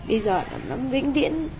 bây giờ nó vĩnh viễn